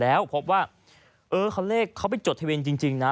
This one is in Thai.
แล้วพบว่าเออเขาเลขเขาไปจดทะเบียนจริงนะ